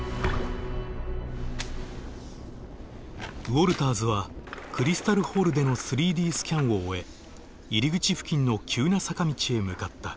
ウォルターズはクリスタル・ホールでの３Ｄスキャンを終え入り口付近の急な坂道へ向かった。